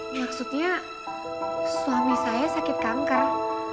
maksudnya suami saya sakit kanker